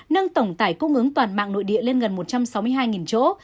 nâng tổng tải cung ứng toàn mạng nội địa lên gần một trăm sáu mươi hai chỗ